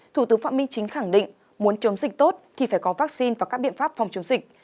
thủ tướng phạm minh chính khẳng định muốn chống dịch tốt thì phải có vaccine và các biện pháp phòng chống dịch